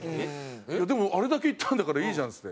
「でもあれだけいったんだからいいじゃん」っつって。